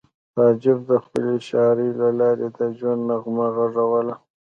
تعجب د خپلې شاعرۍ له لارې د ژوند نغمه غږوله